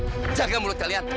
begini saja dibilang berantakan